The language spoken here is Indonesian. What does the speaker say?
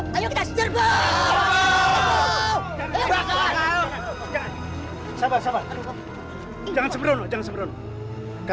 pak jangan sembarangan dengan mudu pak